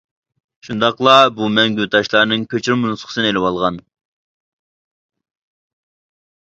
شۇنداقلا، بۇ مەڭگۈ تاشلارنىڭ كۆچۈرمە نۇسخىسىنى ئېلىۋالغان.